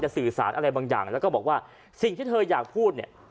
สื่อสารอะไรบางอย่างแล้วก็บอกว่าสิ่งที่เธออยากพูดเนี่ย